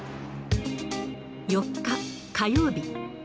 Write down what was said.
４日火曜日。